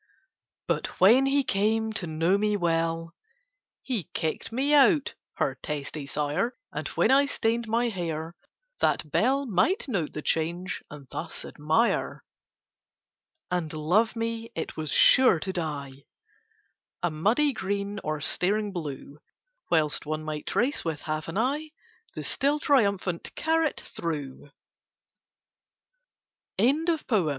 But, when he came to know me well, He kicked me out, her testy Sire: And when I stained my hair, that Belle Might note the change, and thus admire And love me, it was sure to dye A muddy green or staring blue: Whilst one might trace, with half an eye, _The still triumpha